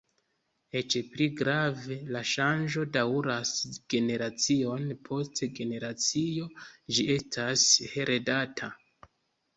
Eĉ pli grave, la ŝanĝo daŭras generacion post generacio; ĝi estas heredata.